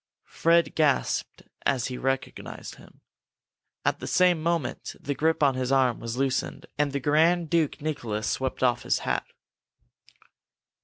Fred gasped as he recognized him. At the same moment the grip on his arm was loosened, and the Grand Duke Nicholas swept off his cap.